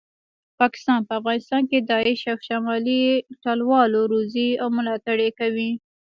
پاکستان په افغانستان کې داعش او شمالي ټلوالي روزي او ملاټړ یې کوي